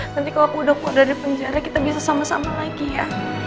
nanti kalau aku udah dari penjara kita bisa sama sama lagi ya